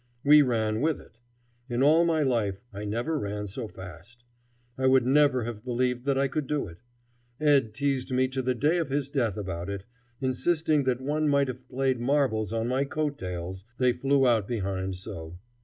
We ran with it. In all my life I never ran so fast. I would never have believed that I could do it. Ed teased me to the day of his death about it, insisting that one might have played marbles on my coat tails, they flew out behind so.